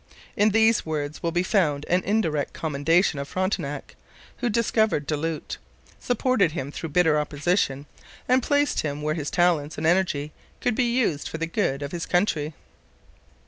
In these words will be found an indirect commendation of Frontenac, who discovered Du Lhut, supported him through bitter opposition, and placed him where his talents and energy could be used for the good of his country.